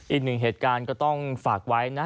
อีกหนึ่งเหตุการณ์ก็ต้องฝากไว้นะ